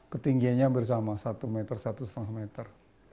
ketinggiannya hampir sama satu meter satu lima meter